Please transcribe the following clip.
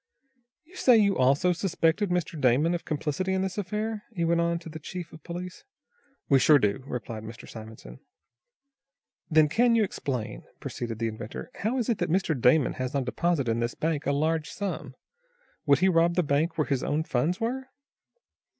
"You say you also suspect Mr. Damon of complicity in this affair?" he went on, to the chief of police. "We sure do," replied Mr. Simonson. "Then can you explain?" proceeded the inventor, "how it is that Mr. Damon has on deposit in this bank a large sum. Would he rob the bank where his own funds were?"